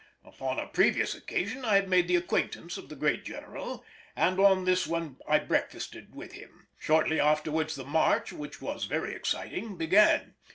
Upon a previous occasion I had made the acquaintance of the great General, and on this one I breakfasted with him. Shortly afterwards the march, which was very exciting, began.